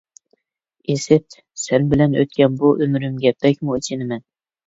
ئىسىت، سەن بىلەن ئۆتكەن بۇ ئۆمرۈمگە بەكمۇ ئېچىنىمەن...